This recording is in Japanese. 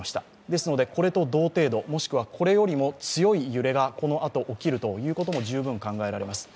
ですので、これと同程度、もしくはこれよりも強い揺れがこのあと起きることも十分考えられます。